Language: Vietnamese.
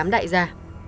tám đại gia